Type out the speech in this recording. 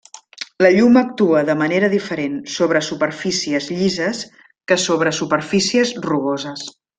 La llum actua de manera diferent sobre superfícies llises que sobre superfícies rugoses.